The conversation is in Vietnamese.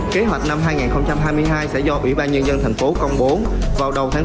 kế hoạch năm hai nghìn hai mươi hai sẽ do ủy ban nhân dân thành phố công bố vào đầu tháng bốn